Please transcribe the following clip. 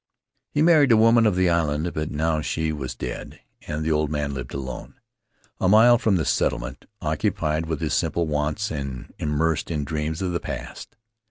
He married a woman of the island, but now she was dead and the old man lived alone, a mile from tbe settlement, occupied with his simple wants and im mersed in dreams of the past.